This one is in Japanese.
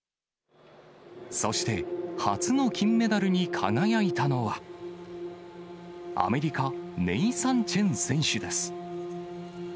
そして、初の金メダルに輝いたのは、アメリカ、ネイサン・チェン選手です。